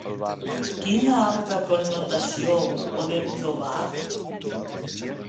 Quina altra connotació podem trobar?